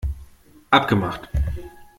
Abgemacht!